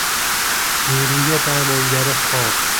نیروی درمانگر خواب